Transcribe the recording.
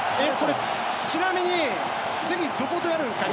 ちなみに次どことやるんですか？